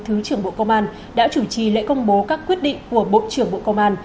thứ trưởng bộ công an đã chủ trì lễ công bố các quyết định của bộ trưởng bộ công an